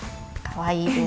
かわいい。